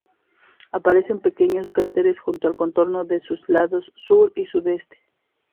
Aparecen pequeños cráteres junto al contorno en sus lados sur y sudeste.